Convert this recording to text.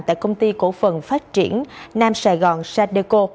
tại công ty cổ phần phát triển nam sài gòn sadeco